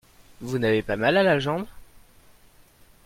vous n'avez pas mal à la jambe.